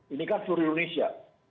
ini kan seluruh indonesia